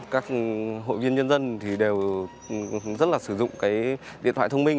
các hội viên nhân dân thì đều rất là sử dụng cái điện thoại thông minh